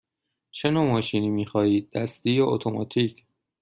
چه نوع ماشینی می خواهید – دستی یا اتوماتیک؟